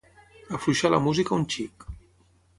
Afluixar la música un xic.